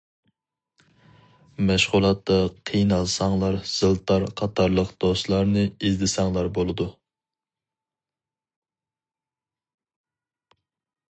مەشغۇلاتتا قىينالساڭلار زىلتار قاتارلىق دوستلارنى ئىزدىسەڭلار بولىدۇ.